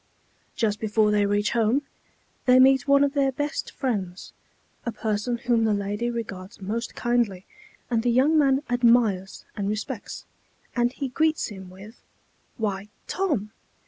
Just before they reach home, they meet one of their best friends, a person whom the lady regards most kindly, and the young man admires and respects, and he greets him with, "Why, Tom!